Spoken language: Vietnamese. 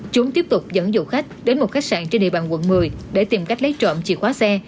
chúng tiếp tục dẫn dụ khách đến một khách sạn trên địa bàn quận một mươi để tìm cách lấy trộm chìa khóa xe